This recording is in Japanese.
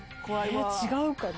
え違うかな。